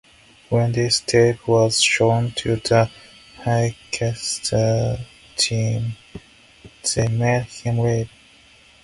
When this tape was shown to the Harchester team, they made him leave.